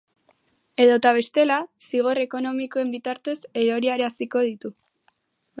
Edota bestela, zigor ekonomikoen bitartez eroriaraziko ditu.